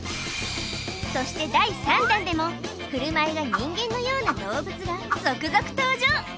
そして第３弾でも振る舞いが人間のような動物が続々登場